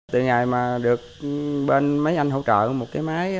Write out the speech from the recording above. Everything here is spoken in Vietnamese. từ ngày mà được bên mấy anh hỗ trợ một cái máy